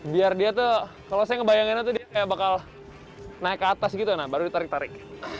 biar dia tuh kalau saya ngebayanginnya tuh dia kayak bakal naik ke atas gitu baru ditarik tarik